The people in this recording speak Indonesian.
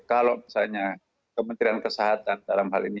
kalau misalnya kementerian kesehatan dalam hal ini